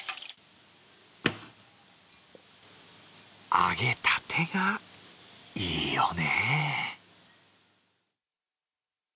揚げたてがいいよね。